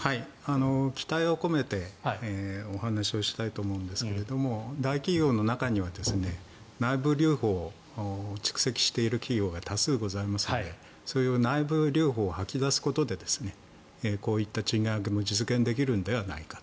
期待を込めてお話をしたいと思うんですが大企業の中には内部留保を蓄積している企業が多数ございますのでそういう内部留保を吐き出すことでこういった賃上げも実現できるのではないかと。